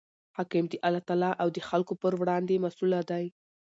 حاکم د الله تعالی او د خلکو پر وړاندي مسئوله دئ.